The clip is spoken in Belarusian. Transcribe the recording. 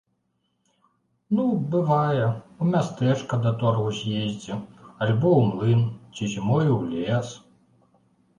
Ну, бывае, у мястэчка да торгу з'ездзі, альбо ў млын ці зімою ў лес.